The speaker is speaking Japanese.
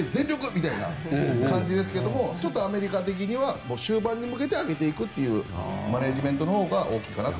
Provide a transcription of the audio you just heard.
みたいな感じですがちょっとアメリカ的には終盤に向けて上げていくというマネジメントのほうが大きいかなと。